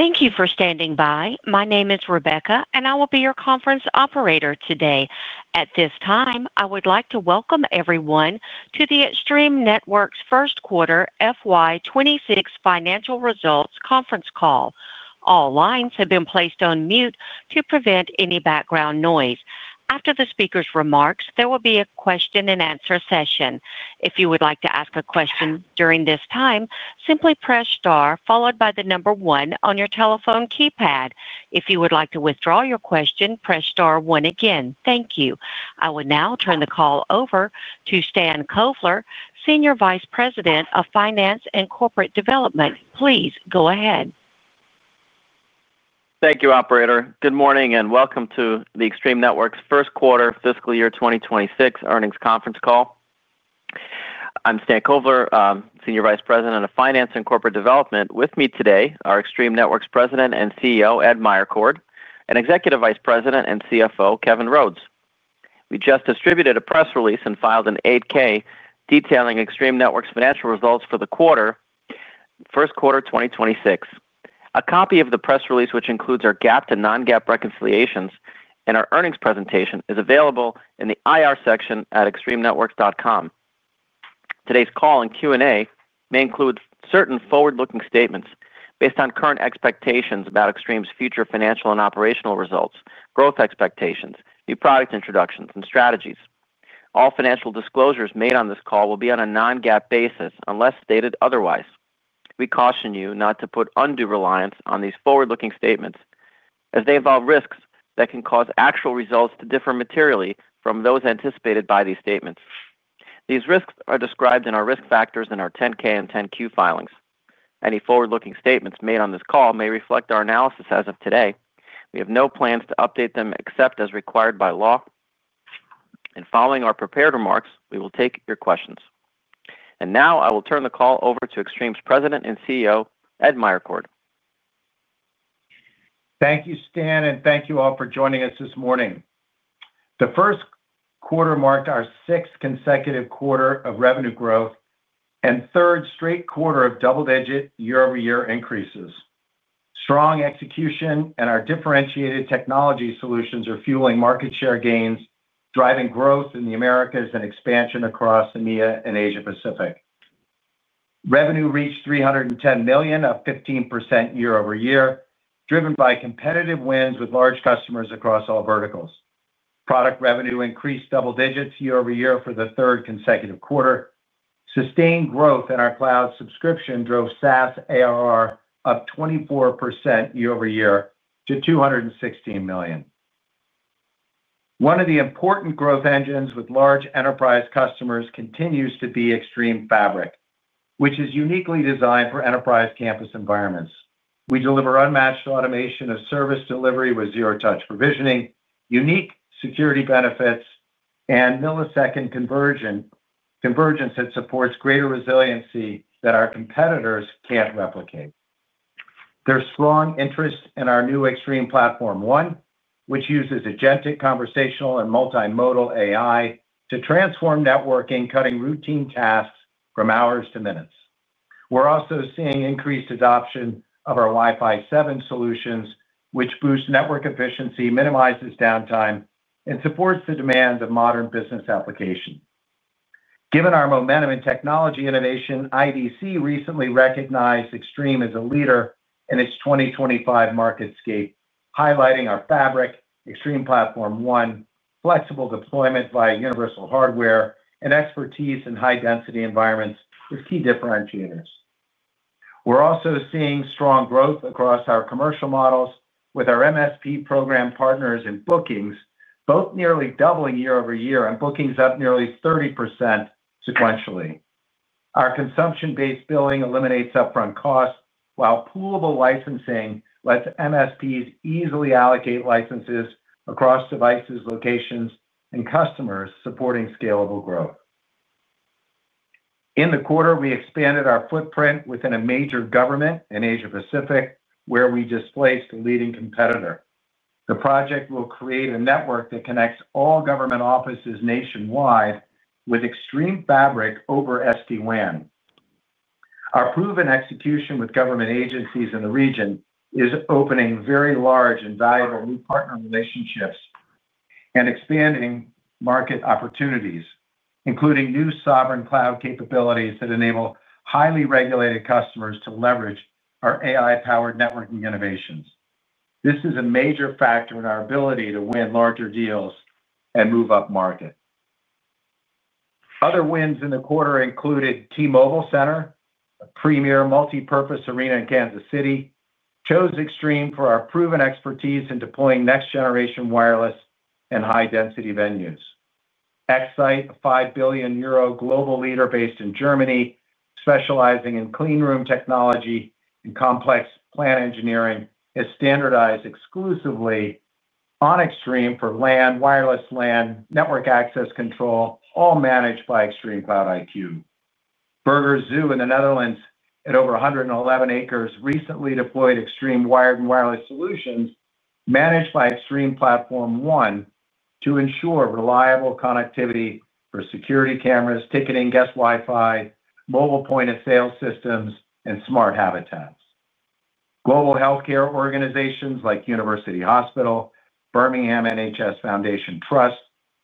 Thank you for standing by. My name is Rebecca, and I will be your conference operator today. At this time, I would like to welcome everyone to the Extreme Networks first-quarter FY 2026 financial results conference call. All lines have been placed on mute to prevent any background noise. After the speaker's remarks, there will be a question-and-answer session. If you would like to ask a question during this time, simply press star followed by the number one on your telephone keypad. If you would like to withdraw your question, press star one again. Thank you. I will now turn the call over to Stan Kovler, Senior Vice President of Finance and Corporate Development. Please go ahead. Thank you, operator. Good morning and welcome to the Extreme Networks' first quarter fiscal year 2026 earnings conference call. I'm Stan Kovler, Senior Vice President of Finance and Corporate Development. With me today are Extreme Networks President and CEO Ed Meyercord and Executive Vice President and CFO Kevin Rhodes. We just distributed a press release and filed an 8-K detailing Extreme Networks' financial results for the quarter, first quarter 2026. A copy of the press release, which includes our GAAP to non-GAAP reconciliations and our earnings presentation, is available in the IR section at extremenetworks.com. Today's call and Q&A may include certain forward-looking statements based on current expectations about Extreme's future financial and operational results, growth expectations, new product introductions, and strategies. All financial disclosures made on this call will be on a non-GAAP basis unless stated otherwise. We caution you not to put undue reliance on these forward-looking statements as they involve risks that can cause actual results to differ materially from those anticipated by these statements. These risks are described in our risk factors and our 10-K and 10-Q filings. Any forward-looking statements made on this call may reflect our analysis as of today. We have no plans to update them except as required by law. Following our prepared remarks, we will take your questions. Now I will turn the call over to Extreme's President and CEO Ed Meyercord. Thank you, Stan, and thank you all for joining us this morning. The first quarter marked our sixth consecutive quarter of revenue growth and third straight quarter of double-digit year-over-year increases. Strong execution and our differentiated technology solutions are fueling market share gains, driving growth in the Americas and expansion across EMEA and Asia-Pacific. Revenue reached $310 million, up 15% year-over-year, driven by competitive wins with large customers across all verticals. Product revenue increased double digits year-over-year for the third consecutive quarter. Sustained growth in our cloud subscription drove SaaS ARR up 24% year-over-year to $216 million. One of the important growth engines with large enterprise customers continues to be Extreme Fabric, which is uniquely designed for enterprise campus environments. We deliver unmatched automation of service delivery with zero-touch provisioning, unique security benefits, and millisecond convergence that supports greater resiliency that our competitors can't replicate. There's strong interest in our new Extreme Platform ONE, which uses agentic conversational and multimodal AI to transform networking, cutting routine tasks from hours to minutes. We're also seeing increased adoption of our Wi-Fi 7 solutions, which boost network efficiency, minimizes downtime, and supports the demands of modern business applications. Given our momentum in technology innovation, IDC recently recognized Extreme as a leader in its 2025 MarketScape, highlighting our Fabric, Extreme Platform ONE, flexible deployment via universal hardware, and expertise in high-density environments as key differentiators. We're also seeing strong growth across our commercial models with our MSP program partners in bookings, both nearly doubling year-over-year and bookings up nearly 30% sequentially. Our consumption-based billing eliminates upfront costs, while poolable licensing lets MSPs easily allocate licenses across devices, locations, and customers, supporting scalable growth. In the quarter, we expanded our footprint within a major government in Asia-Pacific, where we displaced a leading competitor. The project will create a network that connects all government offices nationwide with Extreme Fabric over SD-WAN. Our proven execution with government agencies in the region is opening very large and valuable new partner relationships and expanding market opportunities, including new sovereign cloud capabilities that enable highly regulated customers to leverage our AI-powered networking innovations. This is a major factor in our ability to win larger deals and move up market. Other wins in the quarter included T-Mobile Center, a premier multipurpose arena in Kansas City, chose Extreme for our proven expertise in deploying next-generation wireless and high-density venues. Exyte, a 5 billion euro global leader based in Germany, specializing in clean room technology and complex plant engineering, is standardized exclusively on Extreme for LAN, wireless LAN, network access control, all managed by ExtremeCloud IQ. Burgers' Zoo in the Netherlands, at over 111 acres, recently deployed Extreme wired and wireless solutions managed by Extreme Platform ONE to ensure reliable connectivity for security cameras, ticketing, guest Wi-Fi, mobile point-of-sale systems, and smart habitats. Global healthcare organizations like University Hospital Birmingham NHS Foundation Trust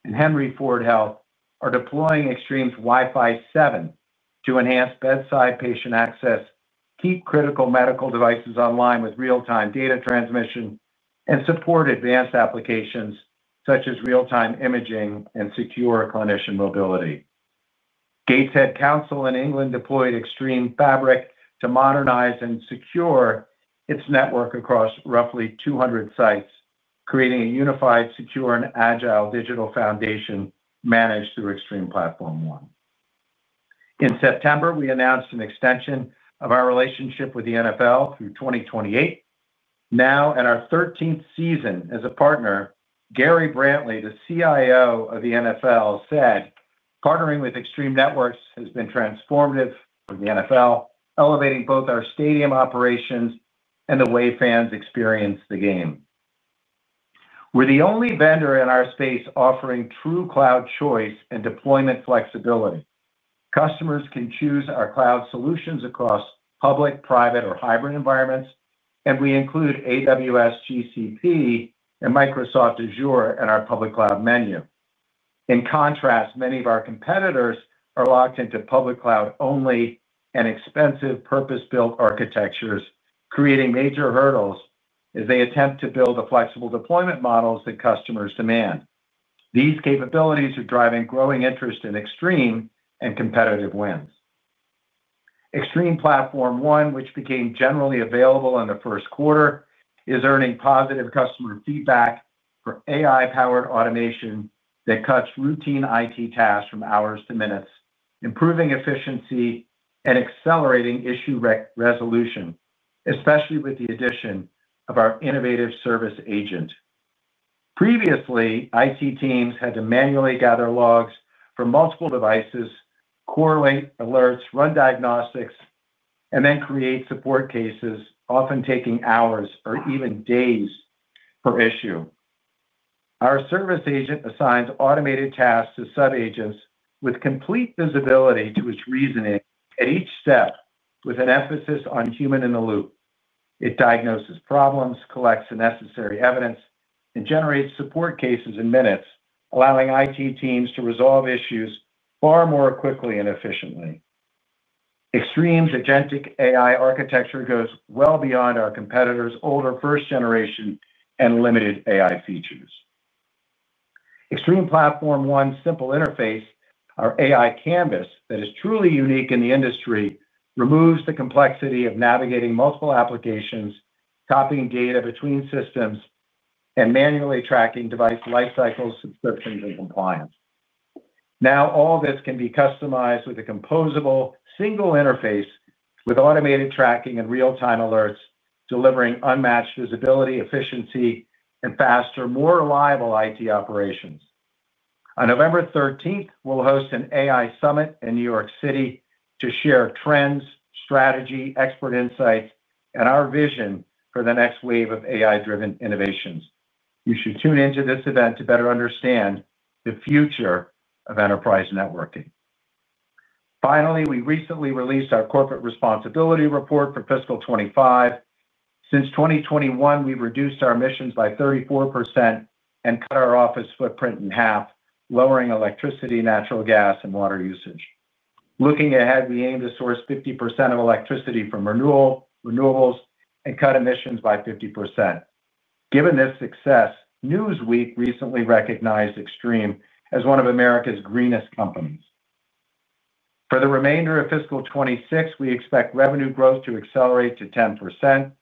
and Henry Ford Health are deploying Extreme's Wi-Fi 7 to enhance bedside patient access, keep critical medical devices online with real-time data transmission, and support advanced applications such as real-time imaging and secure clinician mobility. Gateshead Council in England deployed Extreme Fabric to modernize and secure its network across roughly 200 sites, creating a unified, secure, and agile digital foundation managed through Extreme Platform ONE. In September, we announced an extension of our relationship with the NFL through 2028. Now, in our 13th season as a partner, Gary Brantley, the CIO of the NFL, said, "Partnering with Extreme Networks has been transformative for the NFL, elevating both our stadium operations and the way fans experience the game." We're the only vendor in our space offering true cloud choice and deployment flexibility. Customers can choose our cloud solutions across public, private, or hybrid environments, and we include AWS, GCP, and Microsoft Azure in our public cloud menu. In contrast, many of our competitors are locked into public cloud-only and expensive purpose-built architectures, creating major hurdles as they attempt to build the flexible deployment models that customers demand. These capabilities are driving growing interest in Extreme Networks and competitive wins. Extreme Platform ONE, which became generally available in the first quarter, is earning positive customer feedback for AI-powered automation that cuts routine IT tasks from hours to minutes, improving efficiency and accelerating issue resolution, especially with the addition of our innovative service agent. Previously, IT teams had to manually gather logs from multiple devices, correlate alerts, run diagnostics, and then create support cases, often taking hours or even days per issue. Our service agent assigns automated tasks to sub-agents with complete visibility to its reasoning at each step, with an emphasis on human in the loop. It diagnoses problems, collects the necessary evidence, and generates support cases in minutes, allowing IT teams to resolve issues far more quickly and efficiently. Extreme's agentic AI architecture goes well beyond our competitors' older first-generation and limited AI features. Extreme Platform ONE's simple interface, our AI canvas that is truly unique in the industry, removes the complexity of navigating multiple applications, copying data between systems, and manually tracking device lifecycles, subscriptions, and compliance. Now all this can be customized with a composable single interface with automated tracking and real-time alerts, delivering unmatched visibility, efficiency, and faster, more reliable IT operations. On November 13th, we'll host an AI Summit in New York City to share trends, strategy, expert insights, and our vision for the next wave of AI-driven innovations. You should tune into this event to better understand the future of enterprise networking. Finally, we recently released our corporate responsibility report for fiscal 2025. Since 2021, we've reduced our emissions by 34% and cut our office footprint in half, lowering electricity, natural gas, and water usage. Looking ahead, we aim to source 50% of electricity from renewables and cut emissions by 50%. Given this success, Newsweek recently recognized Extreme as one of America's greenest companies. For the remainder of fiscal 2026, we expect revenue growth to accelerate to 10%.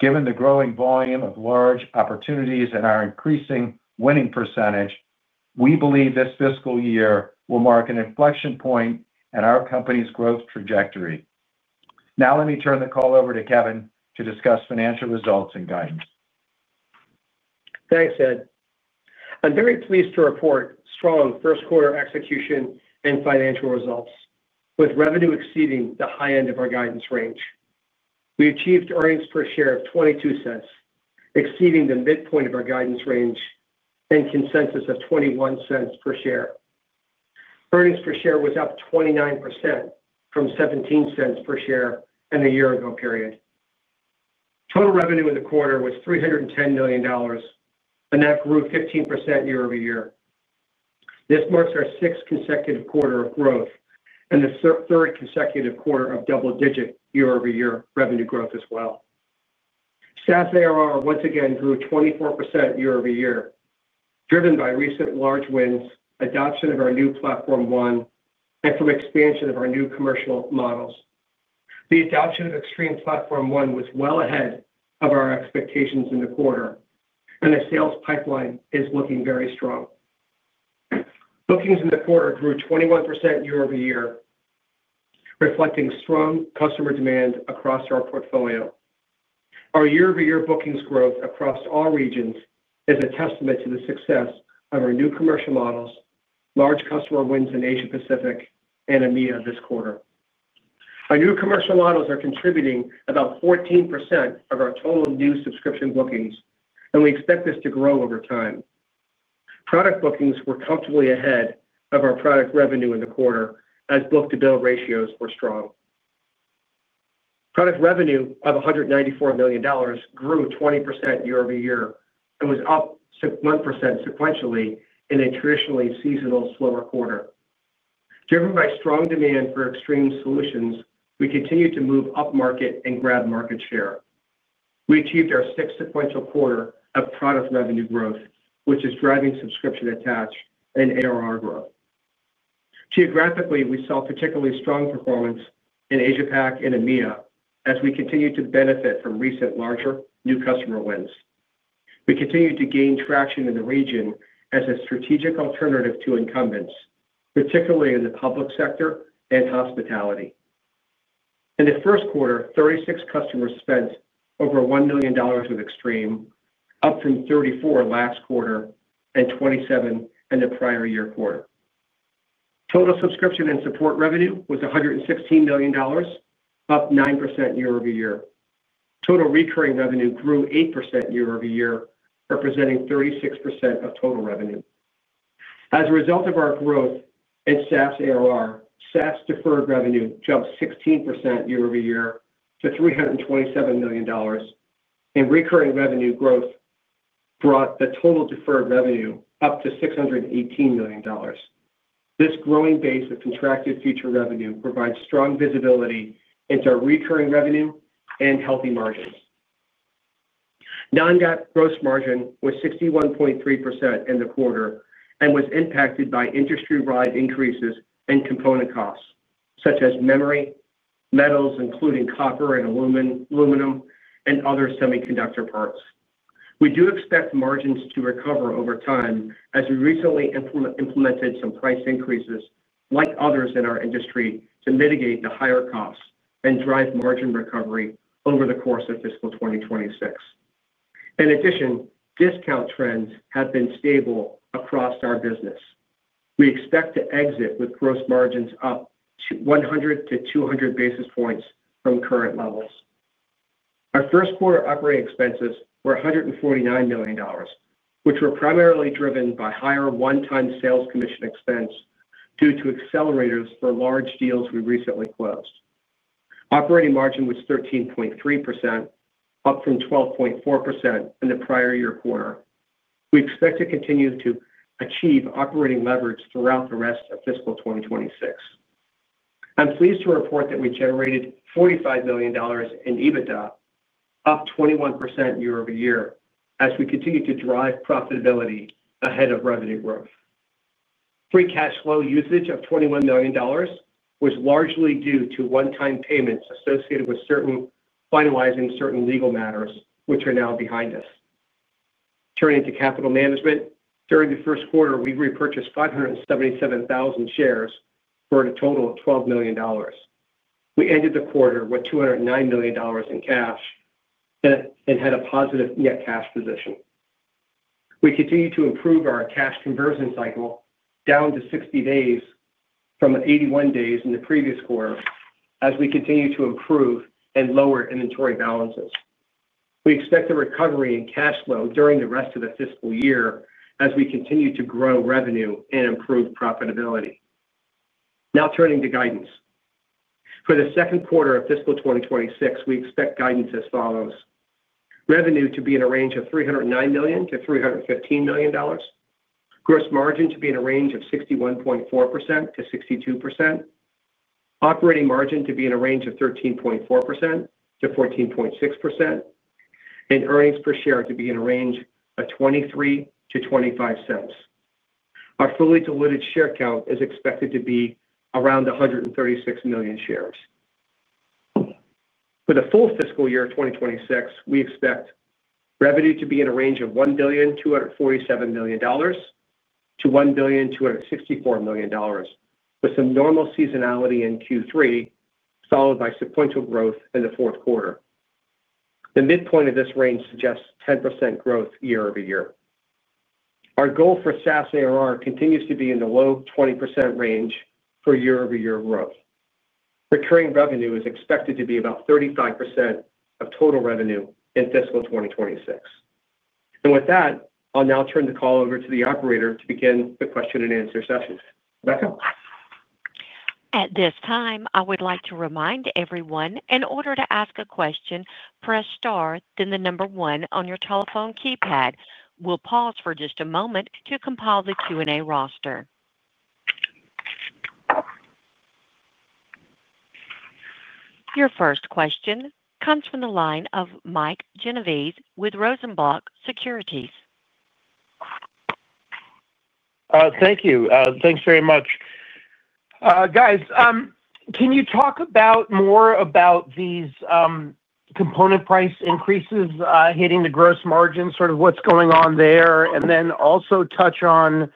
Given the growing volume of large opportunities and our increasing winning percentage, we believe this fiscal year will mark an inflection point in our company's growth trajectory. Now let me turn the call over to Kevin to discuss financial results and guidance. Thanks, Ed. I'm very pleased to report strong first-quarter execution and financial results, with revenue exceeding the high end of our guidance range. We achieved earnings per share of $0.22, exceeding the midpoint of our guidance range, and consensus of $0.21 per share. Earnings per share was up 29% from $0.17 per share in a year-ago period. Total revenue in the quarter was $310 million, and that grew 15% year-over-year. This marks our sixth consecutive quarter of growth and the third consecutive quarter of double-digit year-over-year revenue growth as well. SaaS ARR once again grew 24% year-over-year, driven by recent large wins, adoption of our new Extreme Platform ONE, and from expansion of our new commercial models. The adoption of Extreme Platform ONE was well ahead of our expectations in the quarter, and the sales pipeline is looking very strong. Bookings in the quarter grew 21% year-over-year, reflecting strong customer demand across our portfolio. Our year-over-year bookings growth across all regions is a testament to the success of our new commercial models, large customer wins in Asia-Pacific, and EMEA this quarter. Our new commercial models are contributing about 14% of our total new subscription bookings, and we expect this to grow over time. Product bookings were comfortably ahead of our product revenue in the quarter, as book-to-bill ratios were strong. Product revenue of $194 million grew 20% year-over-year and was up 1% sequentially in a traditionally seasonal, slower quarter. Driven by strong demand for Extreme Solutions, we continue to move up market and grab market share. We achieved our sixth sequential quarter of product revenue growth, which is driving subscription attached and ARR growth. Geographically, we saw particularly strong performance in Asia-Pac and EMEA, as we continue to benefit from recent larger new customer wins. We continue to gain traction in the region as a strategic alternative to incumbents, particularly in the public sector and hospitality. In the first quarter, 36 customers spent over $1 million with Extreme, up from 34 last quarter and 27 in the prior year quarter. Total subscription and support revenue was $116 million, up 9% year-over-year. Total recurring revenue grew 8% year-over-year, representing 36% of total revenue. As a result of our growth in SaaS ARR, SaaS deferred revenue jumped 16% year-over-year to $327 million, and recurring revenue growth brought the total deferred revenue up to $618 million. This growing base of contracted future revenue provides strong visibility into our recurring revenue and healthy margins. Non-GAAP gross margin was 61.3% in the quarter and was impacted by industry-wide increases in component costs, such as memory, metals including copper and aluminum, and other semiconductor parts. We do expect margins to recover over time as we recently implemented some price increases, like others in our industry, to mitigate the higher costs and drive margin recovery over the course of fiscal 2026. In addition, discount trends have been stable across our business. We expect to exit with gross margins up 100-200 basis points from current levels. Our first quarter operating expenses were $149 million, which were primarily driven by higher one-time sales commission expense due to accelerators for large deals we recently closed. Operating margin was 13.3%, up from 12.4% in the prior year quarter. We expect to continue to achieve operating leverage throughout the rest of fiscal 2026. I'm pleased to report that we generated $45 million in EBITDA, up 21% year-over-year, as we continue to drive profitability ahead of revenue growth. Free cash flow usage of $21 million was largely due to one-time payments associated with finalizing certain legal matters, which are now behind us. Turning to capital management, during the first quarter, we repurchased 577,000 shares for a total of $12 million. We ended the quarter with $209 million in cash and had a positive net cash position. We continue to improve our cash conversion cycle down to 60 days from the 81 days in the previous quarter, as we continue to improve and lower inventory balances. We expect a recovery in cash flow during the rest of the fiscal year as we continue to grow revenue and improve profitability. Now turning to guidance. For the second quarter of fiscal 2026, we expect guidance as follows: revenue to be in a range of $309 million-$315 million, gross margin to be in a range of 61.4%-62%, operating margin to be in a range of 13.4%-14.6%, and earnings per share to be in a range of $0.23-$0.25. Our fully diluted share count is expected to be around 136 million shares. For the full fiscal year of 2026, we expect revenue to be in a range of $1,247 million-$1,264 million, with some normal seasonality in Q3, followed by sequential growth in the fourth quarter. The midpoint of this range suggests 10% growth year-over-year. Our goal for SaaS ARR continues to be in the low 20% range for year-over-year growth. Recurring revenue is expected to be about 35% of total revenue in fiscal 2026. With that, I'll now turn the call over to the operator to begin the question and answer session. Rebecca? At this time, I would like to remind everyone, in order to ask a question, press star, then the number one on your telephone keypad. We'll pause for just a moment to compile the Q&A roster. Your first question comes from the line of Mike Genovese with Rosenblatt Securities. Thank you. Thanks very much. Can you talk more about these component price increases hitting the gross margins, what's going on there, and then also touch on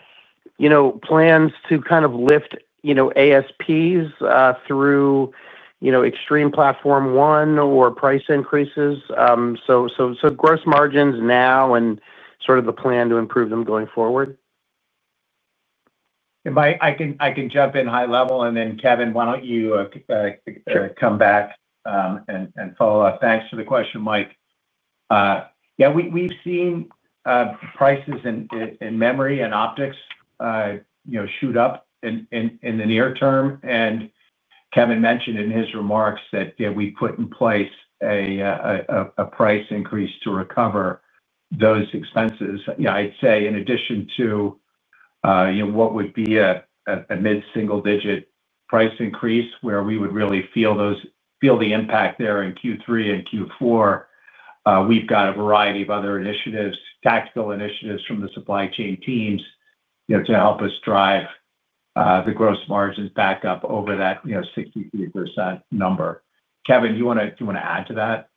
plans to kind of lift ASPs through Extreme Platform ONE or price increases? Gross margins now and the plan to improve them going forward. If I can jump in high level, and then Kevin, why don't you come back and follow up? Thanks for the question, Mike. Yeah, we've seen prices in memory and optics shoot up in the near term. Kevin mentioned in his remarks that we put in place a price increase to recover those expenses. I'd say in addition to what would be a mid-single-digit price increase where we would really feel the impact there in Q3 and Q4, we've got a variety of other initiatives, tactical initiatives from the supply chain teams to help us drive the gross margins back up over that 63% number. Kevin, do you want to add to that?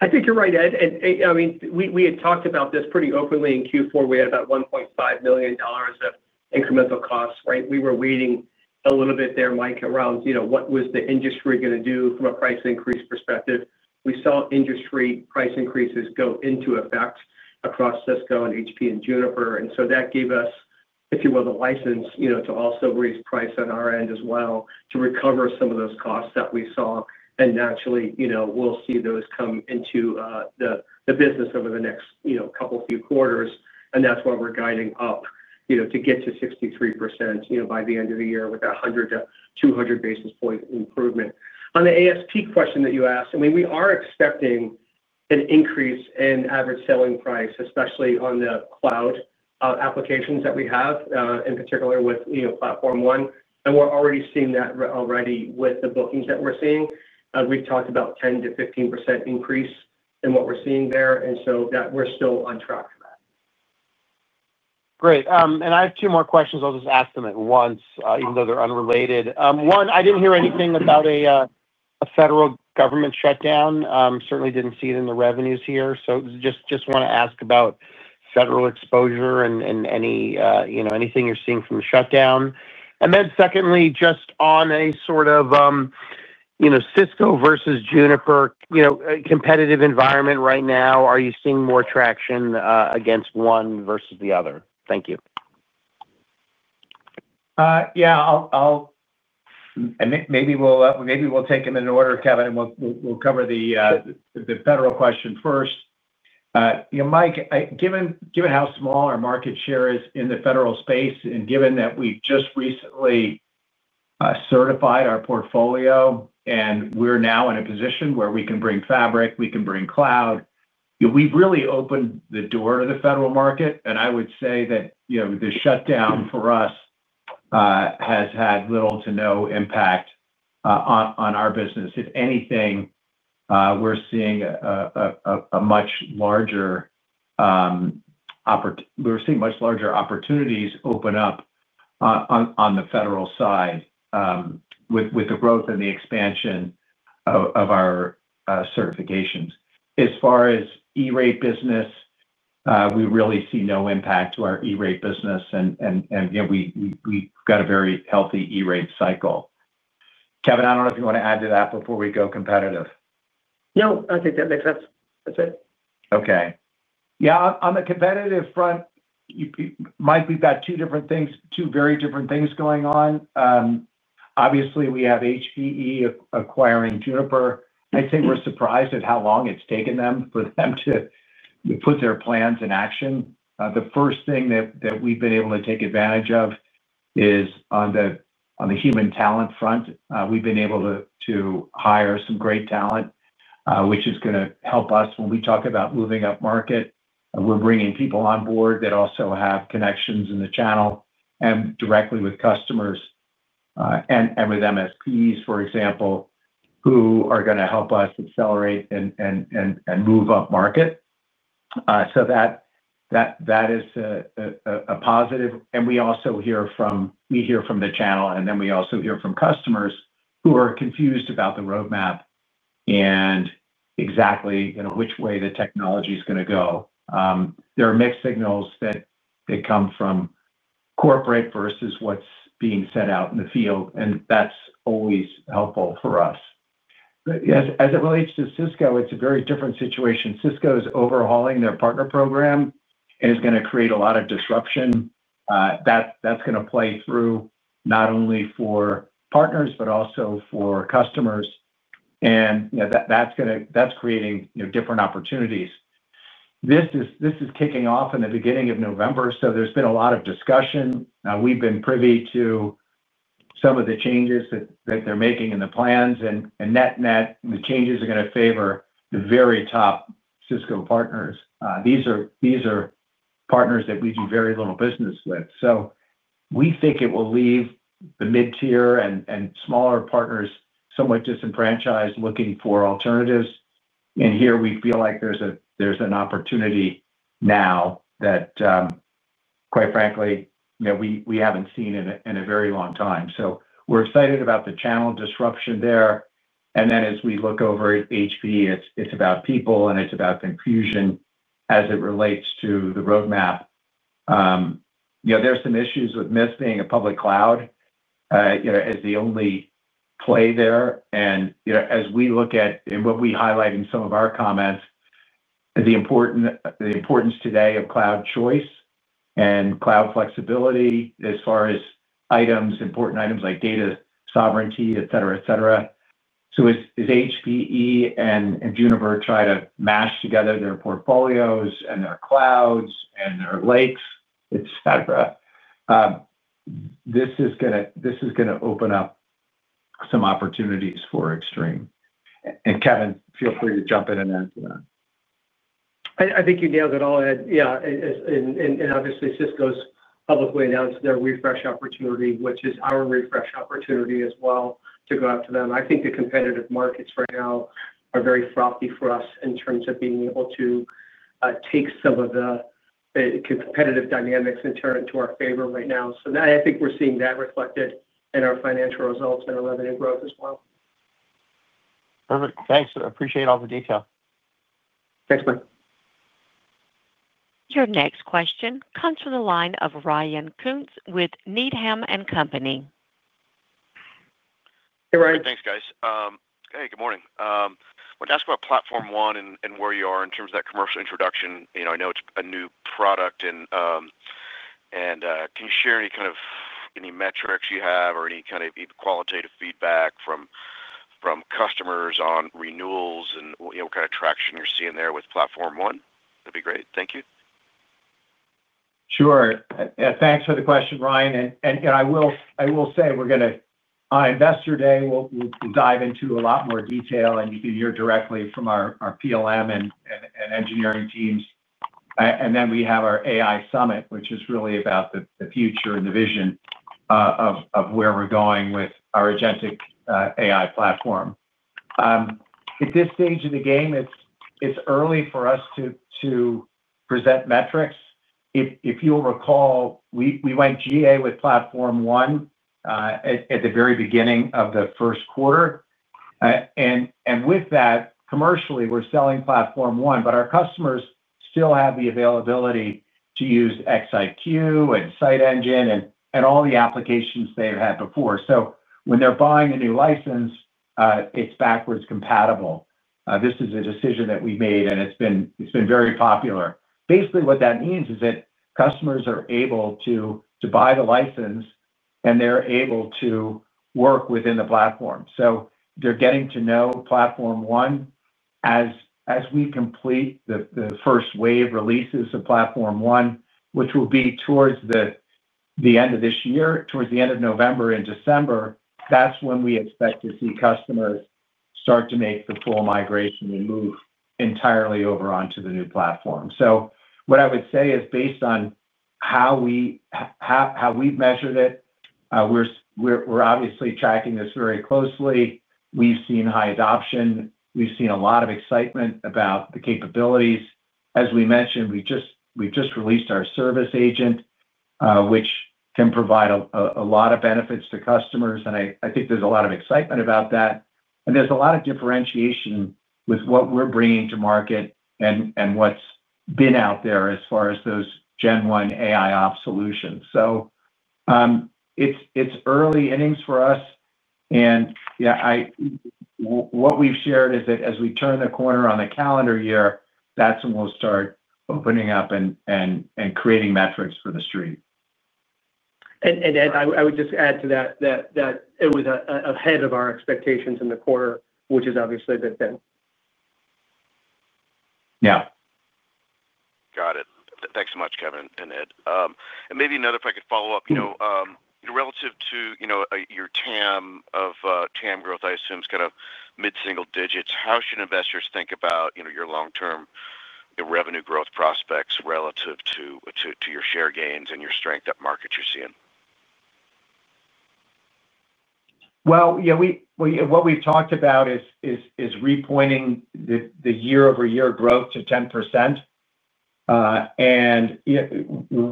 I think you're right, Ed. I mean, we had talked about this pretty openly in Q4. We had about $1.5 million of incremental costs, right? We were waiting a little bit there, Mike, around, you know, what was the industry going to do from a price increase perspective? We saw industry price increases go into effect across Cisco and HPE, and Juniper. That gave us, if you will, the license, you know, to also raise price on our end as well to recover some of those costs that we saw. Naturally, you know, we'll see those come into the business over the next, you know, couple few quarters. That's why we're guiding up, you know, to get to 63% by the end of the year with a 100-200 basis point improvement. On the ASP question that you asked, I mean, we are expecting an increase in average selling price, especially on the cloud applications that we have, in particular with, you know, Extreme Platform ONE. We're already seeing that already with the bookings that we're seeing. We've talked about 10%-15% increase in what we're seeing there. We're still on track for that. Great. I have two more questions. I'll just ask them at once, even though they're unrelated. One, I didn't hear anything about a federal government shutdown. Certainly didn't see it in the revenues here. Just want to ask about federal exposure and anything you're seeing from the shutdown. Then secondly, just on a sort of Cisco versus Juniper competitive environment right now, are you seeing more traction against one versus the other? Thank you. Yeah, maybe we'll take them in order, Kevin, and we'll cover the federal question first. You know, Mike, given how small our market share is in the federal space, and given that we've just recently certified our portfolio and we're now in a position where we can bring Extreme Fabric, we can bring Cloud, you know, we've really opened the door to the federal market. I would say that the shutdown for us has had little to no impact on our business. If anything, we're seeing a much larger opportunity open up on the federal side with the growth and the expansion of our certifications. As far as e-rate business, we really see no impact to our e-rate business, and we've got a very healthy e-rate cycle. Kevin, I don't know if you want to add to that before we go competitive. No, I think that makes sense. That's it. Okay. Yeah, on the competitive front, Mike, we've got two different things, two very different things going on. Obviously, we have HPE acquiring Juniper Networks. I'd say we're surprised at how long it's taken them to put their plans in action. The first thing that we've been able to take advantage of is on the human talent front. We've been able to hire some great talent, which is going to help us when we talk about moving up market. We're bringing people on board that also have connections in the channel and directly with customers and with managed service providers, for example, who are going to help us accelerate and move up market. That is a positive. We also hear from the channel, and then we also hear from customers who are confused about the roadmap, and exactly, you know, which way the technology is going to go. There are mixed signals that come from corporate versus what's being set out in the field, and that's always helpful for us. As it relates to Cisco, it's a very different situation. Cisco is overhauling their partner program and is going to create a lot of disruption. That's going to play through not only for partners, but also for customers, and that's creating different opportunities. This is kicking off in the beginning of November, so there's been a lot of discussion. We've been privy to some of the changes that they're making in the plans, and net-net, the changes are going to favor the very top Cisco partners. These are partners that we do very little business with. We think it will leave the mid-tier and smaller partners somewhat disenfranchised looking for alternatives. Here we feel like there's an opportunity now that, quite frankly, we haven't seen in a very long time. We're excited about the channel disruption there. As we look over at HPE, it's about people and it's about confusion as it relates to the roadmap. You know, there's some issues with MIST being a public cloud as the only play there. As we look at, and what we highlight in some of our comments, the importance today of cloud choice and cloud flexibility as far as items, important items like data sovereignty, etc., etc. As HPE and Juniper try to mash together their portfolios and their clouds and their lakes, etc., this is going to open up some opportunities for Extreme. Kevin, feel free to jump in and answer that. I think you nailed it all, Ed. Yeah. Obviously, Cisco's publicly announced their refresh opportunity, which is our refresh opportunity as well to go after them. I think the competitive markets right now are very frothy for us in terms of being able to take some of the competitive dynamics and turn it to our favor right now. I think we're seeing that reflected in our financial results and our revenue growth as well. Perfect. Thanks. I appreciate all the detail. Thanks, Mike. Your next question comes from the line of Ryan Koontz with Needham & Company. Hey, Ryan. Thanks, guys. Hey, good morning. I wanted to ask about Extreme Platform ONE and where you are in terms of that commercial introduction. I know it's a new product. Can you share any kind of metrics you have or any kind of even qualitative feedback from customers on renewals and what kind of traction you're seeing there with Extreme Platform ONE? That'd be great. Thank you. Sure. Yeah, thanks for the question, Ryan. I will say we're going to, on Investor Day, dive into a lot more detail. You can hear directly from our PLM and engineering teams. We have our AI Summit, which is really about the future and the vision of where we're going with our agentic AI platform. At this stage in the game, it's early for us to present metrics. If you'll recall, we went GA with Platform One at the very beginning of the first quarter. With that, commercially, we're selling Platform One, but our customers still have the availability to use XIQ and Site Engine and all the applications they've had before. When they're buying a new license, it's backwards compatible. This is a decision that we made, and it's been very popular. Basically, what that means is that customers are able to buy the license, and they're able to work within the platform. They're getting to know Platform One as we complete the first wave releases of Platform One, which will be towards the end of this year, towards the end of November and December. That's when we expect to see customers start to make the full migration and move entirely over onto the new platform. What I would say is based on how we've measured it, we're obviously tracking this very closely. We've seen high adoption. We've seen a lot of excitement about the capabilities. As we mentioned, we just released our service agent, which can provide a lot of benefits to customers. I think there's a lot of excitement about that. There's a lot of differentiation with what we're bringing to market and what's been out there as far as those Gen 1 AIOps solutions. It's early innings for us. What we've shared is that as we turn the corner on the calendar year, that's when we'll start opening up and creating metrics for the stream. I would just add to that it was ahead of our expectations in the quarter, which is obviously a good thing. Yeah. Got it. Thanks so much, Kevin and Ed. Maybe another if I could follow up, you know, relative to your TAM of TAM growth, I assume it's kind of mid-single digits. How should investors think about your long-term revenue growth prospects relative to your share gains and your strength at markets you're seeing? What we've talked about is repointing the year-over-year growth to 10%.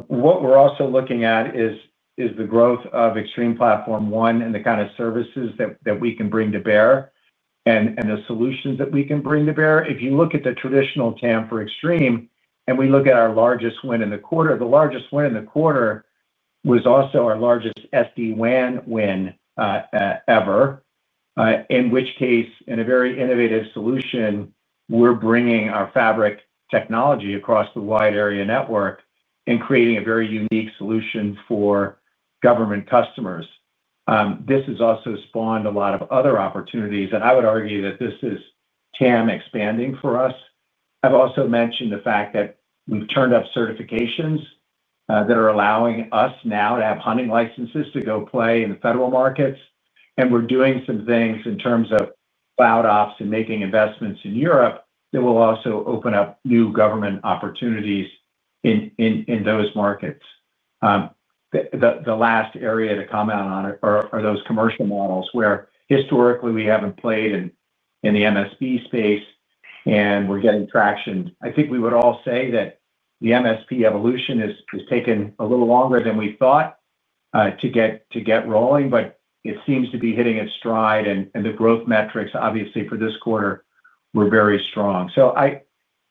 What we're also looking at is the growth of Extreme Platform ONE and the kind of services that we can bring to bear and the solutions that we can bring to bear. If you look at the traditional TAM for Extreme Networks and we look at our largest win in the quarter, the largest win in the quarter was also our largest SD-WAN win ever, in which case, in a very innovative solution, we're bringing our Fabric technology across the wide area network and creating a very unique solution for government customers. This has also spawned a lot of other opportunities. I would argue that this is TAM expanding for us. I've also mentioned the fact that we've turned up certifications that are allowing us now to have hunting licenses to go play in the federal markets. We're doing some things in terms of cloud ops and making investments in Europe that will also open up new government opportunities in those markets. The last area to comment on are those commercial models where historically we haven't played in the MSP space and we're getting traction. I think we would all say that the MSP evolution has taken a little longer than we thought to get rolling, but it seems to be hitting its stride and the growth metrics, obviously, for this quarter were very strong.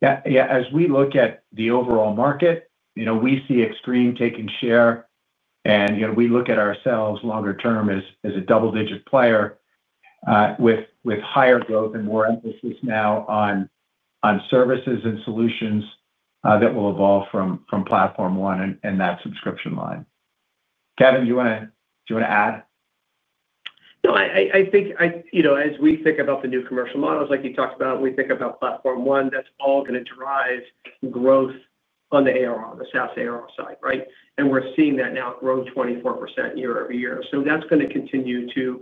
As we look at the overall market, we see Extreme taking share and we look at ourselves longer term as a double-digit player with higher growth and more emphasis now on services and solutions that will evolve from Platform One and that subscription line. Kevin, do you want to add? No, I think, you know, as we think about the new commercial models, like you talked about, we think about Extreme Platform ONE, that's all going to drive growth on the ARR, the SaaS ARR side, right? We're seeing that now grow 24% year-over-year. That's going to continue to,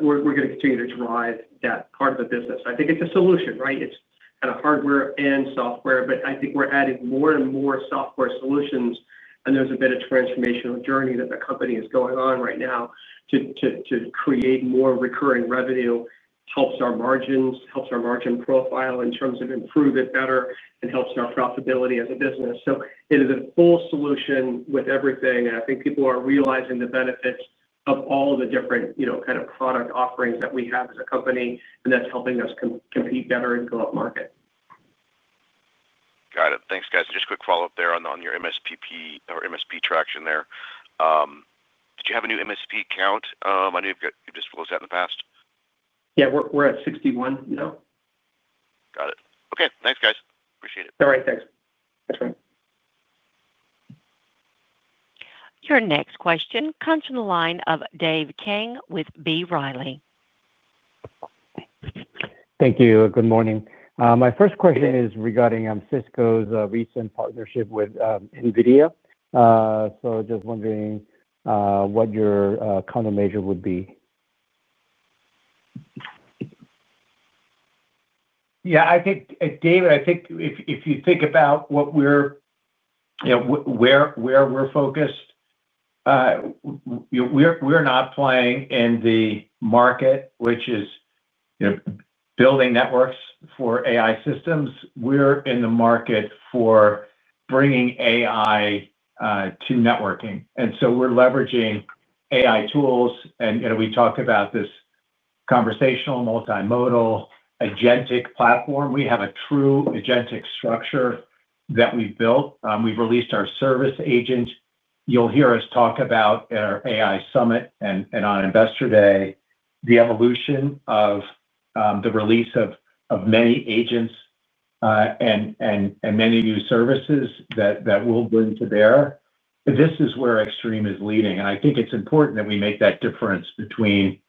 we're going to continue to drive that part of the business. I think it's a solution, right? It's kind of hardware and software, but I think we're adding more and more software solutions. There's a bit of transformational journey that the company is going on right now to create more recurring revenue, helps our margins, helps our margin profile in terms of improving better, and helps our profitability as a business. It is a full solution with everything. I think people are realizing the benefits of all the different, you know, kind of product offerings that we have as a company, and that's helping us compete better and go up market. Got it. Thanks, guys. Just a quick follow-up there on your MSP traction. Did you have a new MSP count? I know you've just closed that in the past. Yeah, we're at 61 now. Got it. Okay, thanks, guys. Appreciate it. All right. Thanks. Thanks, Ryan. Your next question comes from the line of Dave King with B. Riley. Thank you. Good morning. My first question is regarding Cisco's recent partnership with NVIDIA. I am just wondering what your countermeasure would be. I think, Dave, if you think about where we're focused, we're not playing in the market, which is building networks for AI systems. We're in the market for bringing AI to networking, and we're leveraging AI tools. We talked about this conversational, multimodal, agentic platform. We have a true agentic structure that we've built. We've released our service agent. You'll hear us talk about our AI Summit and on Investor Day, the evolution of the release of many agents and many new services that we'll bring to bear. This is where Extreme is leading. I think it's important that we make that difference between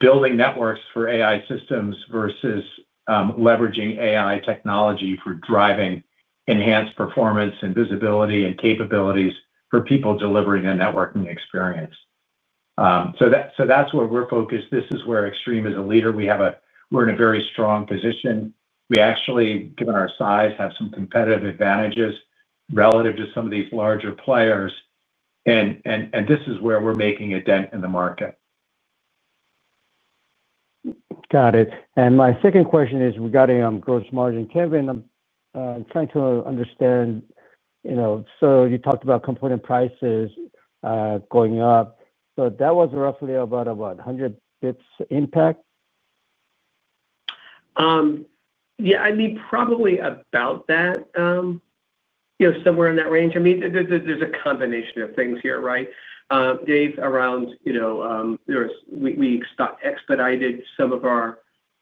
building networks for AI systems versus leveraging AI technology for driving enhanced performance and visibility and capabilities for people delivering a networking experience. That's where we're focused. This is where Extreme is a leader. We're in a very strong position. We actually, given our size, have some competitive advantages relative to some of these larger players. This is where we're making a dent in the market. Got it. My second question is regarding gross margin. Kevin, I'm trying to understand, you know, you talked about component prices going up. That was roughly about what, 100 bps impact? Yeah, I mean, probably about that, you know, somewhere in that range. I mean, there's a combination of things here, right? Dave, around, you know, we expedited some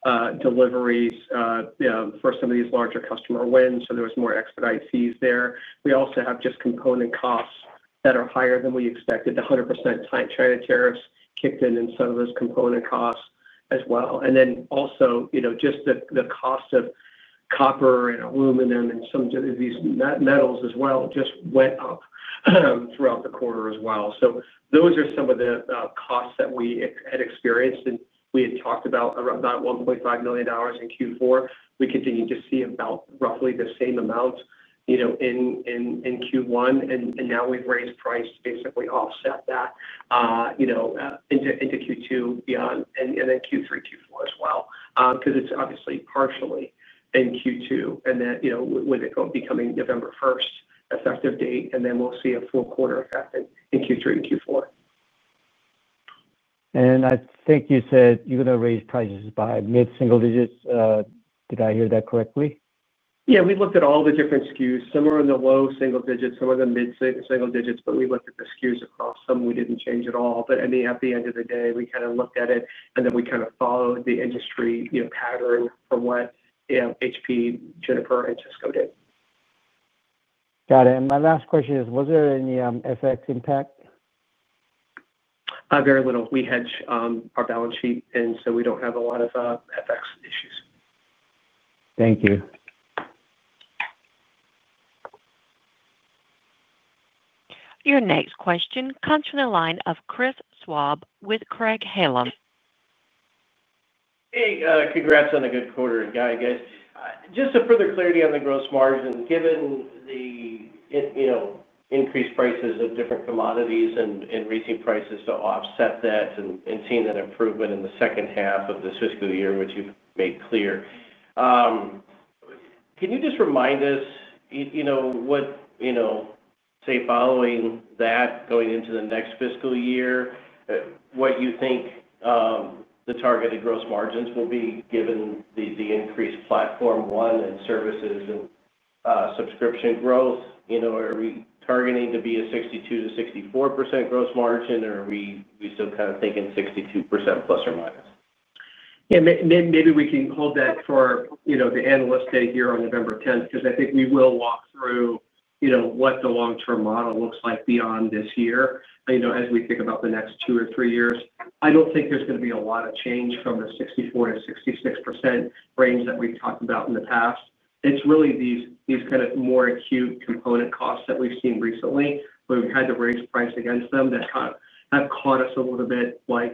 of our deliveries for some of these larger customer wins. There was more expedite fees there. We also have just component costs that are higher than we expected. The 100% China tariffs kicked in in some of those component costs as well. Also, just the cost of copper and aluminum and some of these metals went up throughout the quarter as well. Those are some of the costs that we had experienced. We had talked about about $1.5 million in Q4. We continued to see about roughly the same amount in Q1. Now we've raised price to basically offset that into Q2 beyond and then Q3, Q4 as well, because it's obviously partially in Q2. With it becoming November 1 effective date, we'll see a full quarter effect in Q3 and Q4. I think you said you're going to raise prices by mid-single digits. Did I hear that correctly? Yeah, we looked at all the different SKUs. Some are in the low single digits, some are in the mid-single digits. We looked at the SKUs across them. We didn't change at all. At the end of the day, we kind of looked at it, and then we kind of followed the industry pattern for what, you know, HPE, Juniper, and Cisco did. Got it. My last question is, was there any FX impact? Very little. We hedge our balance sheet, and we don't have a lot of FX issues. Thank you. Your next question comes from the line of Chris Schwab with Craig-Hallum. Hey, congrats on a good quarter, guys. Just some further clarity on the gross margins, given the increased prices of different commodities and raising prices to offset that and seeing that improvement in the second half of this fiscal year, which you've made clear. Can you just remind us what, say following that, going into the next fiscal year, what you think the targeted gross margins will be, given the increased Platform One and services and subscription growth? Are we targeting to be a 62%-64% gross margin, or are we still kind of thinking 62% plus or minus? Yeah, maybe we can hold that for the analyst day here on November 10th, because I think we will walk through what the long-term model looks like beyond this year. As we think about the next two or three years, I don't think there's going to be a lot of change from the 64%-66% range that we've talked about in the past. It's really these kind of more acute component costs that we've seen recently where we've had to raise price against them that have caught us a little bit, like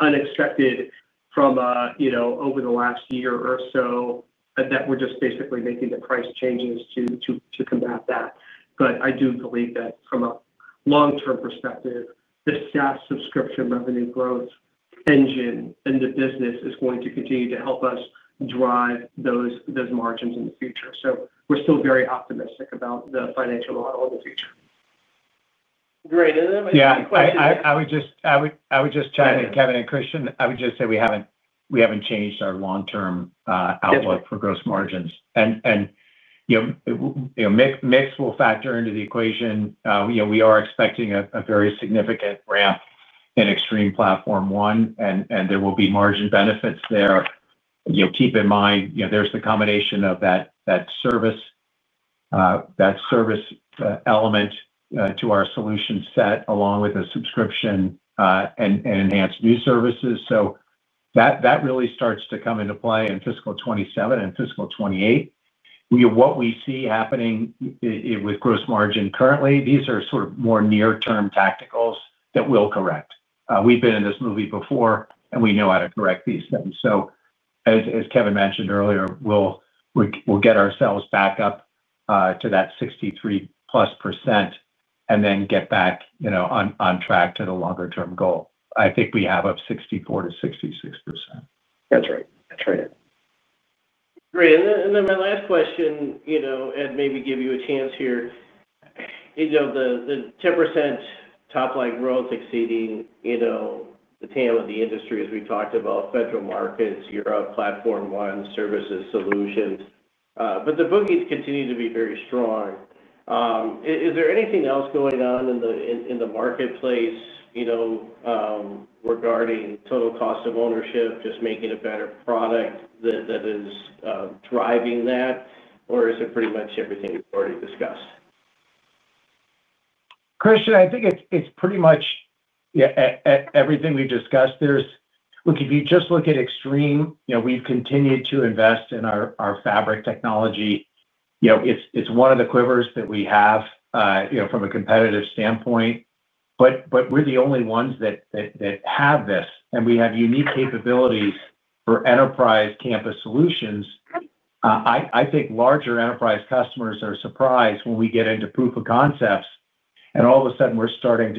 unexpected from over the last year or so that we're just basically making the price changes to combat that. I do believe that from a long-term perspective, the SaaS subscription revenue growth engine and the business is going to continue to help us drive those margins in the future. We're still very optimistic about the financial model in the future. Great. I would just chime in, Kevin and Christian. I would just say we haven't changed our long-term outlook for gross margins. Mix will factor into the equation. We are expecting a very significant ramp in Extreme Platform ONE, and there will be margin benefits there. Keep in mind, there's the combination of that service element to our solution set, along with a subscription and enhanced new services. That really starts to come into play in fiscal 2027 and fiscal 2028. What we see happening with gross margin currently, these are more near-term tacticals that we'll correct. We've been in this movie before, and we know how to correct these things. As Kevin mentioned earlier, we'll get ourselves back up to that 63+% and then get back on track to the longer-term goal. I think we have up 64%-66%. That's right. That's right. Great. My last question, maybe give you a chance here, the 10% top line growth exceeding the TAM of the industry, as we talked about, federal markets, Europe, Platform One, services, solutions. The bookings continue to be very strong. Is there anything else going on in the marketplace regarding total cost of ownership, just making a better product that is driving that, or is it pretty much everything we've already discussed? Christian, I think it's pretty much, yeah, everything we've discussed. Look, if you just look at Extreme, we've continued to invest in our Fabric technology. It's one of the quivers that we have from a competitive standpoint. We're the only ones that have this, and we have unique capabilities for enterprise campus solutions. I think larger enterprise customers are surprised when we get into proof of concepts, and all of a sudden, we're starting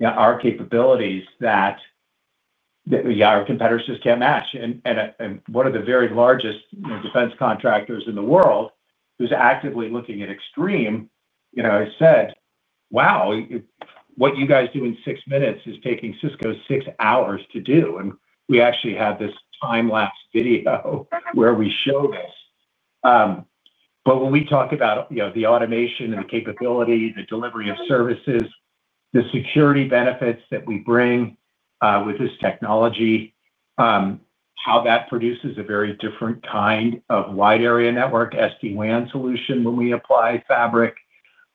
to demonstrate our capabilities that, yeah, our competitors just can't match. One of the very largest defense contractors in the world, who's actively looking at Extreme, has said, "Wow, what you guys do in six minutes is taking Cisco six hours to do." We actually have this time-lapse video where we show this. When we talk about the automation and the capability, the delivery of services, the security benefits that we bring with this technology, how that produces a very different kind of wide area network SD-WAN solution when we apply Fabric,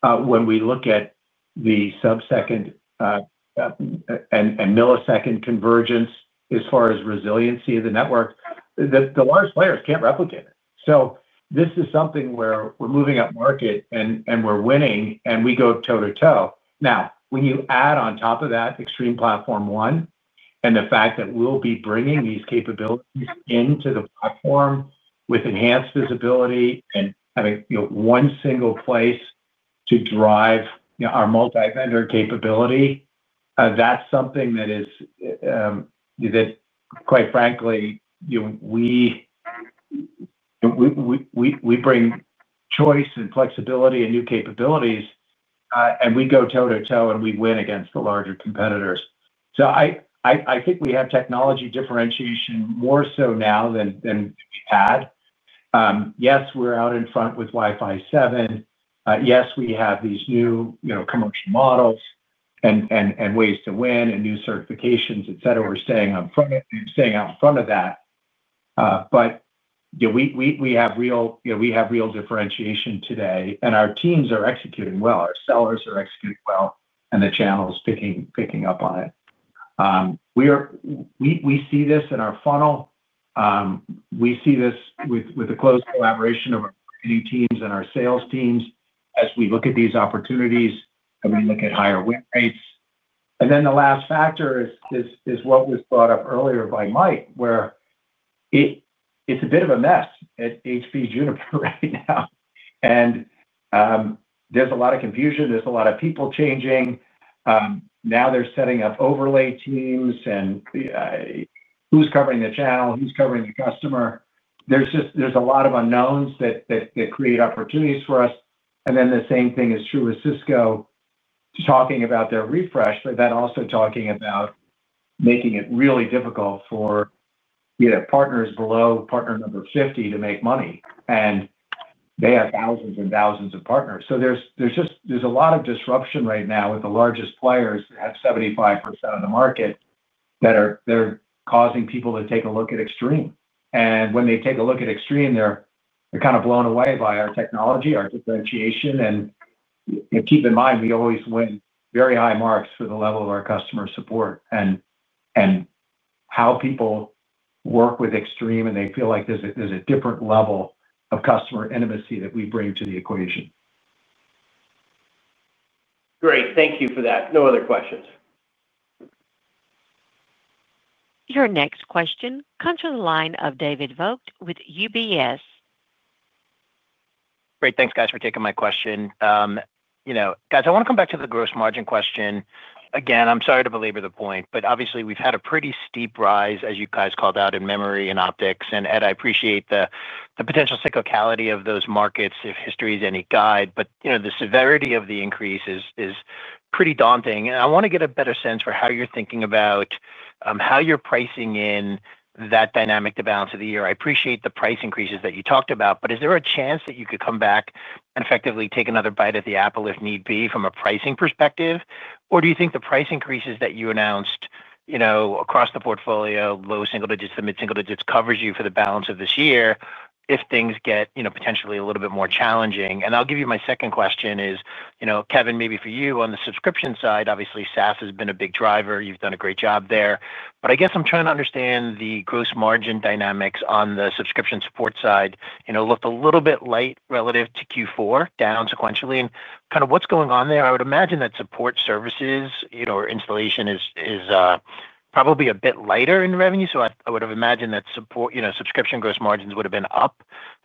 when we look at the subsecond and millisecond convergence as far as resiliency of the network, the large players can't replicate it. This is something where we're moving up market and we're winning and we go toe to toe. Now, when you add on top of that Extreme Platform ONE and the fact that we'll be bringing these capabilities into the platform with enhanced visibility and having one single place to drive our multi-vendor capability, that's something that is, that quite frankly, we bring choice and flexibility and new capabilities, and we go toe to toe and we win against the larger competitors. I think we have technology differentiation more so now than we had. Yes, we're out in front with Wi-Fi 7. Yes, we have these new commercial models and ways to win and new certifications, etc. We're staying out in front of that. We have real differentiation today, and our teams are executing well. Our sellers are executing well, and the channel is picking up on it. We see this in our funnel. We see this with the close collaboration of our marketing teams and our sales teams as we look at these opportunities and we look at higher win rates. The last factor is what was brought up earlier by Mike, where it's a bit of a mess at HPE Juniper right now. There's a lot of confusion. There's a lot of people changing. Now they're setting up overlay teams and who's covering the channel, who's covering the customer. There's a lot of unknowns that create opportunities for us. The same thing is true with Cisco talking about their refresh, but also talking about making it really difficult for, you know, partners below partner number 50 to make money. They have thousands and thousands of partners. There's a lot of disruption right now with the largest players that have 75% of the market that are causing people to take a look at Extreme. When they take a look at Extreme, they're kind of blown away by our technology, our differentiation. Keep in mind, we always win very high marks for the level of our customer support and how people work with Extreme, and they feel like there's a different level of customer intimacy that we bring to the equation. Great. Thank you for that. No other questions. Your next question comes from the line of David Vogt with UBS. Great. Thanks, guys, for taking my question. I want to come back to the gross margin question. I'm sorry to belabor the point, but obviously, we've had a pretty steep rise, as you called out, in memory and optics. Ed, I appreciate the potential cyclicality of those markets if history is any guide. The severity of the increase is pretty daunting. I want to get a better sense for how you're thinking about how you're pricing in that dynamic to balance of the year. I appreciate the price increases that you talked about, but is there a chance that you could come back and effectively take another bite at the apple if need be from a pricing perspective? Do you think the price increases that you announced, across the portfolio, low single digits to mid-single digits, cover you for the balance of this year if things get potentially a little bit more challenging? I'll give you my second question. Kevin, maybe for you on the subscription side, obviously, SaaS has been a big driver. You've done a great job there. I guess I'm trying to understand the gross margin dynamics on the subscription support side. It looked a little bit light relative to Q4, down sequentially. What's going on there? I would imagine that support services or installation is probably a bit lighter in revenue. I would have imagined that support subscription gross margins would have been up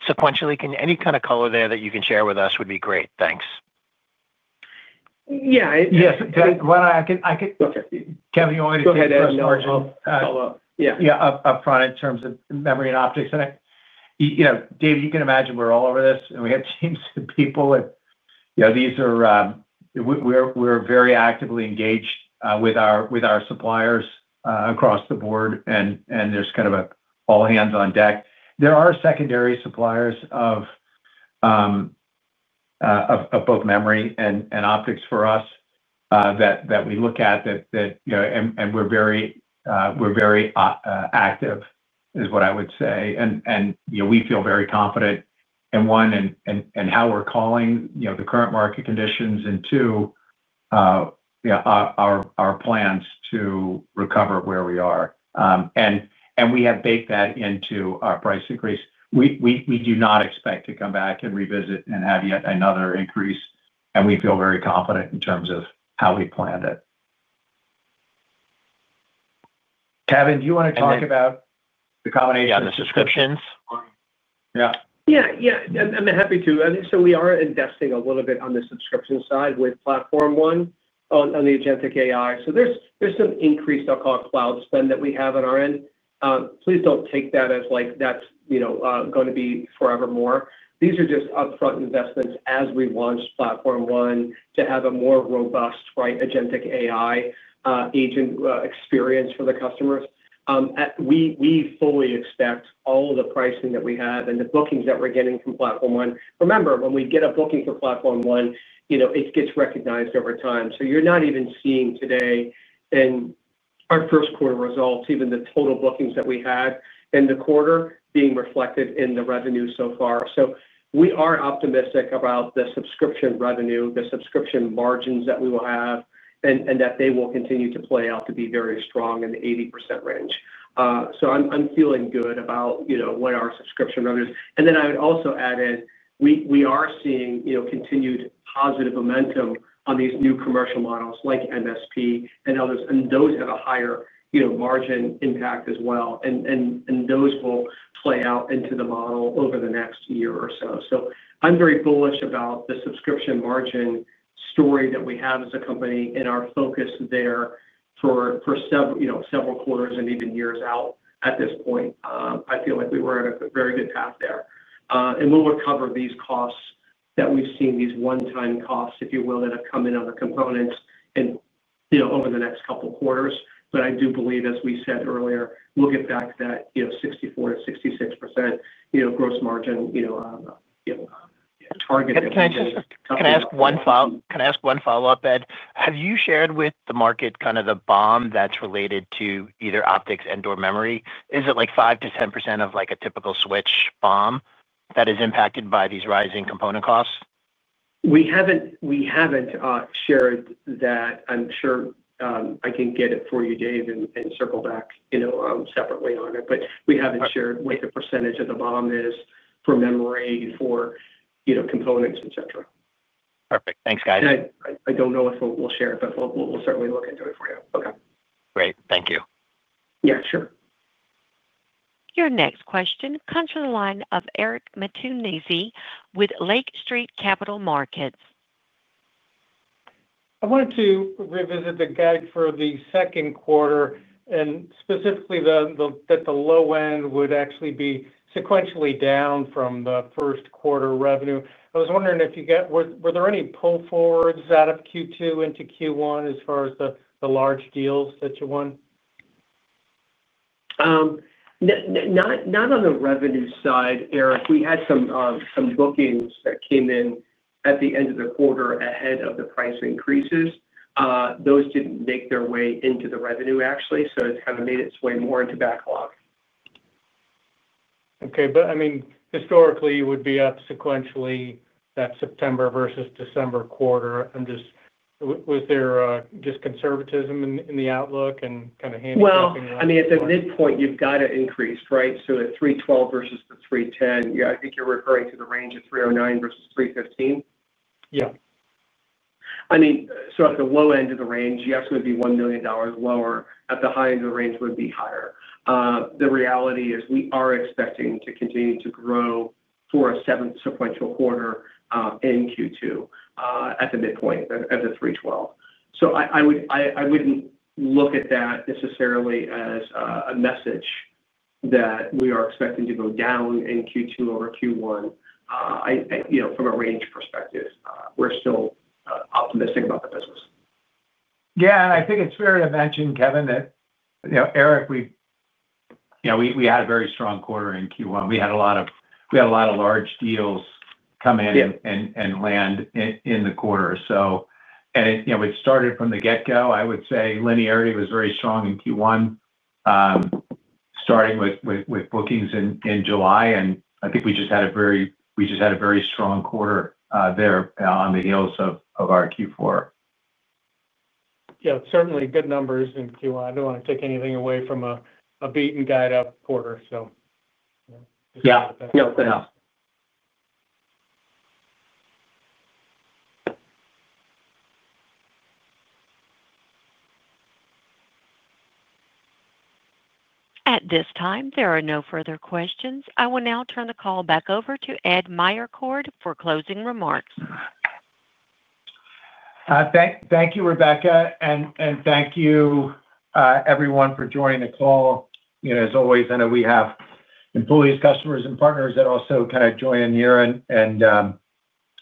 sequentially. Any kind of color there that you can share with us would be great. Thanks. Yeah. Kevin, you want me to go ahead and add something? Go ahead, Ed. I'll follow up. Yeah, up front in terms of memory and optics. David, you can imagine we're all over this, and we have teams of people. These are, we're very actively engaged with our suppliers across the board, and there's kind of an all-hands on deck. There are secondary suppliers of both memory and optics for us that we look at, and we're very active, is what I would say. We feel very confident in one, and how we're calling the current market conditions, and two, our plans to recover where we are. We have baked that into our price increase. We do not expect to come back and revisit and have yet another increase, and we feel very confident in terms of how we planned it. Kevin, do you want to talk about the combination of subscriptions? Yeah. Yeah, I'm happy to. We are investing a little bit on the subscription side with Platform ONE on the agentic AI. There's some increased, I'll call it, cloud spend that we have on our end. Please don't take that as like that's going to be forever more. These are just upfront investments as we launched Platform ONE to have a more robust, right, agentic AI agent experience for the customers. We fully expect all of the pricing that we have and the bookings that we're getting from Platform ONE. Remember, when we get a booking for Platform ONE, it gets recognized over time. You're not even seeing today in our first quarter results, even the total bookings that we had in the quarter being reflected in the revenue so far. We are optimistic about the subscription revenue, the subscription margins that we will have, and that they will continue to play out to be very strong in the 80% range. I'm feeling good about what our subscription revenue is. I would also add in, we are seeing continued positive momentum on these new commercial models like managed service provider and others. Those have a higher margin impact as well. Those will play out into the model over the next year or so. I'm very bullish about the subscription margin story that we have as a company and our focus there for several quarters and even years out at this point. I feel like we are on a very good path there. We'll recover these costs that we've seen, these one-time costs, if you will, that have come in on the components over the next couple of quarters. I do believe, as we said earlier, we'll get back to that 64%-66% gross margin targeted. Can I ask one follow-up, Ed? Have you shared with the market kind of the BOM that's related to either optics and/or memory? Is it like 5%-10% of like a typical switch BOM that is impacted by these rising component costs? We haven't shared that. I'm sure I can get it for you, David, and circle back separately on it. We haven't shared what the percentage of the BOM is for memory, for components, etc. Perfect. Thanks, guys. I don't know if we'll share it, but we'll certainly look into it for you. Okay. Great. Thank you. Yeah, sure. Your next question comes from the line of Eric Martinuzzi with Lake Street Capital Markets. I wanted to revisit the guide for the second quarter and specifically that the low end would actually be sequentially down from the first quarter revenue. I was wondering if you got, were there any pull forwards out of Q2 into Q1 as far as the large deals that you won? Not on the revenue side, Eric. We had some bookings that came in at the end of the quarter ahead of the price increases. Those didn't make their way into the revenue, actually. It kind of made its way more into backlog. Okay. I mean, historically, it would be up sequentially that September versus December quarter. I'm just, was there just conservatism in the outlook and kind of handicapping? At the midpoint, you've got to increase, right? The 312 versus the 310. I think you're referring to the range of 309 versus 315? Yeah. At the low end of the range, yes, it would be $1 million lower. At the high end of the range, it would be higher. The reality is we are expecting to continue to grow for a seventh sequential quarter in Q2 at the midpoint of the $312 million. I wouldn't look at that necessarily as a message that we are expecting to go down in Q2 over Q1. From a range perspective, we're still optimistic about the business. Yeah. I think it's fair to mention, Kevin, that, you know, Eric, we had a very strong quarter in Q1. We had a lot of large deals come in and land in the quarter. You know, it started from the get-go. I would say linearity was very strong in Q1, starting with bookings in July. I think we just had a very strong quarter there on the heels of our Q4. Yeah, certainly good numbers in Q1. I don't want to take anything away from a beat and guide up quarter. Yeah, no, it's good enough. At this time, there are no further questions. I will now turn the call back over to Ed Meyercord for closing remarks. Thank you, Rebecca, and thank you, everyone, for joining the call. As always, I know we have employees, customers, and partners that also join in here.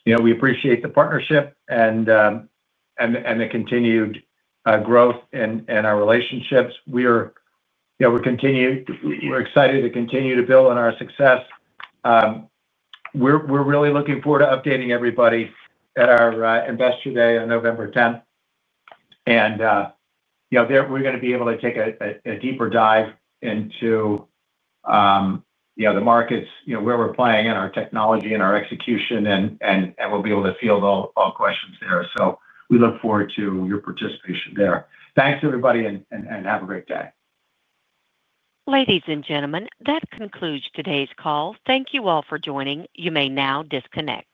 We appreciate the partnership and the continued growth in our relationships. We're excited to continue to build on our success. We're really looking forward to updating everybody at our Investor Day on November 10th. We're going to be able to take a deeper dive into the markets, where we're playing in our technology and our execution, and we'll be able to field all questions there. We look forward to your participation there. Thanks, everybody, and have a great day. Ladies and gentlemen, that concludes today's call. Thank you all for joining. You may now disconnect.